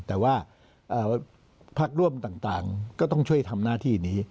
แต่ว่าพักร่วมต่างก็ต้องช่วยทำหน้าที่นี้